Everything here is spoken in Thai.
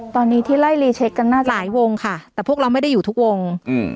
ตอนนี้ที่ไล่รีเช็คกันน่ะหลายวงค่ะแต่พวกเราไม่ได้อยู่ทุกวงอืม